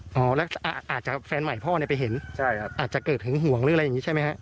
อาจจะแฟนใหม่พ่อไปเห็นอาจจะเกิดหึงห่วงหรืออะไรอย่างนี้ใช่ไหมฮะ